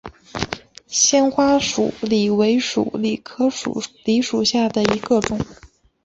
纤花鼠李为鼠李科鼠李属下的一个种。